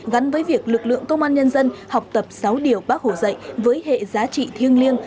gắn với việc lực lượng công an nhân dân học tập sáu điều bác hồ dạy với hệ giá trị thiêng liêng